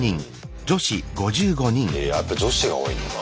えやっぱ女子が多いんだな。